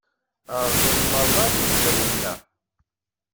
Rrẓen merra ifenǧalen-a.